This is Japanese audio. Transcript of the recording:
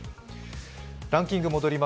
ランキングに戻ります。